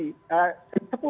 sepuluh tahun lalu